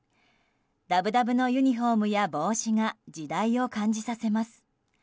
だぶだぶのユニホームや帽子が時代を感じさせます。